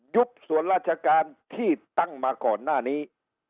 ยุบสวรรความราชการที่ตั้งมาก่อนหน้านี้